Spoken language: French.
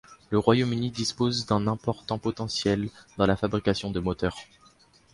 Le Royaume-Uni dispose d'un important potentiel dans la fabrication de moteurs.